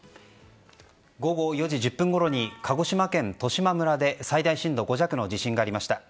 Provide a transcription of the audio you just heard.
午後４時１０分ごろに鹿児島県十島村で最大震度５弱の地震がありました。